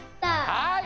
はい！